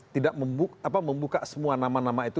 tidak membuka semua nama nama itu